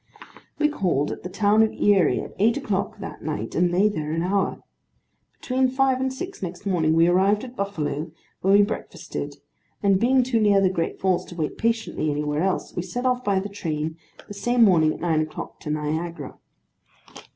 We called at the town of Erie, at eight o'clock that night, and lay there an hour. Between five and six next morning, we arrived at Buffalo, where we breakfasted; and being too near the Great Falls to wait patiently anywhere else, we set off by the train, the same morning at nine o'clock, to Niagara.